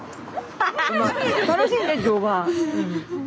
楽しいんで乗馬。